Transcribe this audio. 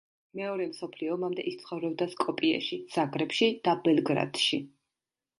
მეორე მსოფლიო ომამდე ის ცხოვრობდა სკოპიეში, ზაგრებში და ბელგრადში.